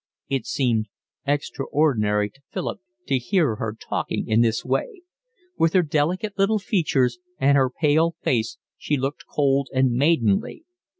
It seemed extraordinary to Philip to hear her talking in this way. With her delicate little features and her pale face she looked cold and maidenly.